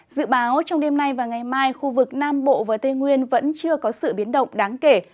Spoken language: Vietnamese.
dự báo trong đêm nay và ngày mai khu vực nam bộ và tây nguyên vẫn chưa có sự biến động đáng kể